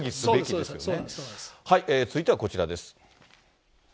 そうです、続いてはこちらです。